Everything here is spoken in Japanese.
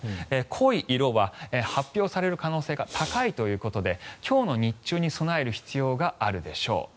濃い色は発表される可能性が高いということで今日の日中に備える必要があるでしょう。